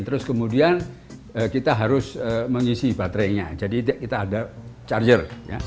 terus kemudian kita harus mengisi baterainya jadi kita ada charger